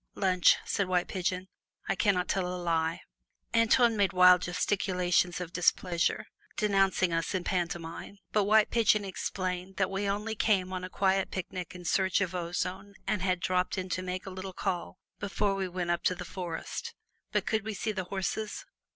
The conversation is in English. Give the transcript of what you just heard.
"Lunch," said White Pigeon; "I can not tell a lie!" Antoine made wild gesticulations of displeasure, denouncing us in pantomime. But White Pigeon explained that we only came on a quiet picnic in search of ozone and had dropped in to make a little call before we went on up to the forest. But could we see the horses?